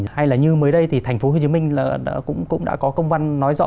hay là như mới đây thì thành phố hồ chí minh cũng đã có công văn nói rõ